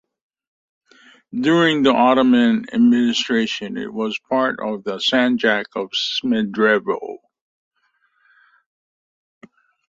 During Ottoman administration, it was part of the Sanjak of Smederevo.